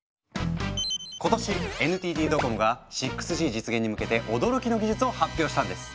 今年ＮＴＴドコモが６Ｇ実現に向けて驚きの技術を発表したんです。